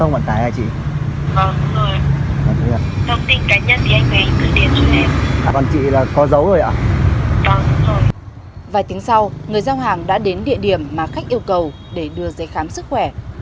vài tiếng sau người giao hàng đã đến địa điểm mà khách yêu cầu để đưa giấy khám sức khỏe